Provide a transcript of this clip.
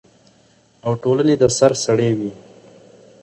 او ټولنې د سر سړی وي،